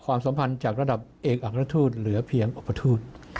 สัมพันธ์จากระดับเอกอักราชทูตเหลือเพียงอุปทูต